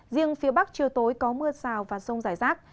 riêng phía bắc chiều tối có mưa rào và rông rải rác